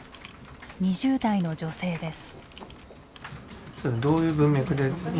２０代の女性です。